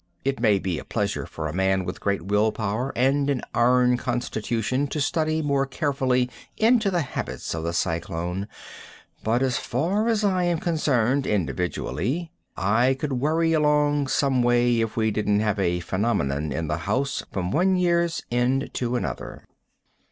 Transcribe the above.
It may be a pleasure for a man with great will power and an iron constitution to study more carefully into the habits of the cyclone, but as far as I am concerned, individually, I could worry along some way if we didn't have a phenomenon in the house from one year's end to another.